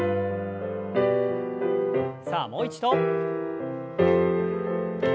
さあもう一度。